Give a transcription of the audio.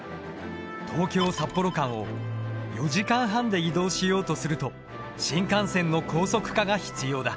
東京札幌間を４時間半で移動しようとすると新幹線の高速化が必要だ。